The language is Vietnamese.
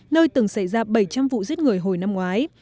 nơi từng xảy ra bảy trăm linh vụ giết người hồi năm ngoái